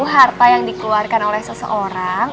harta yang dikeluarkan oleh seseorang